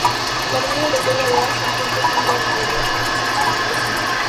La avenida del Doctor Gadea se encuentra incluida dentro del barrio Ensanche Diputación.